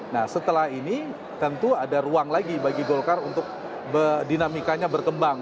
nah setelah ini tentu ada ruang lagi bagi golkar untuk dinamikanya berkembang